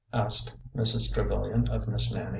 '' asked Mrs. Trevilian of Miss Nannie.